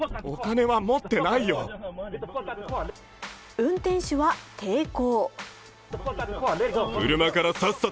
運転手は抵抗。